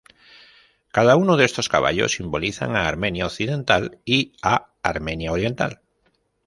Cada uno de estos caballos simbolizan a Armenia Occidental y a Armenia Oriental.